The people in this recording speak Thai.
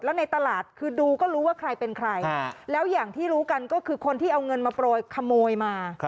แล้วในตลาดคือดูก็รู้ว่าใครเป็นใครแล้วอย่างที่รู้กันก็คือคนที่เอาเงินมาโปรยขโมยมา